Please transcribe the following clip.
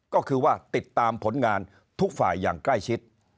ก็คือว่าติดตามผลงานทุกฝ่ายอย่างใกล้ชิด